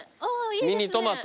ミニトマト。